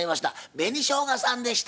紅しょうがさんでした。